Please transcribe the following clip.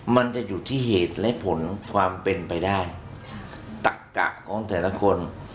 มันจะอยู่ที่เหตุและผลความเป็นไปได้ตักกะของแต่ละคน